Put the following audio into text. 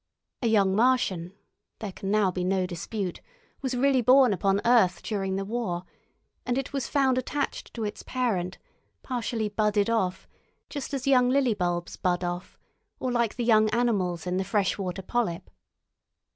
A young Martian, there can now be no dispute, was really born upon earth during the war, and it was found attached to its parent, partially budded off, just as young lilybulbs bud off, or like the young animals in the fresh water polyp.